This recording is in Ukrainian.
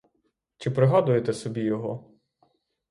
Чи пригадуєте собі його?